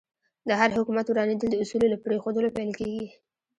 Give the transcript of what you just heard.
د هر حکومت ورانېدل د اصولو له پرېښودلو پیل کېږي.